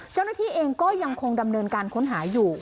เจ้าหน้าที่เองก็ยังคงดำเนินการค้นหาอยู่